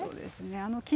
あの木の。